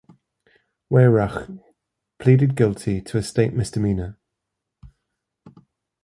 Weyhrauch pleaded guilty to a state misdemeanor.